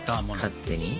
勝手に。